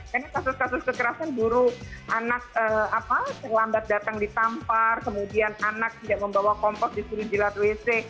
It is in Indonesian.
karena kasus kasus kekerasan guru anak apa terlambat datang ditampar kemudian anak tidak membawa kompos di seluruh jilat wc